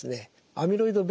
アミロイドβ